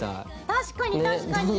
確かに確かに。